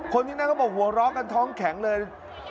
คนที่นั่นเขาบอกหัวเราะกันท้องแข็งเลย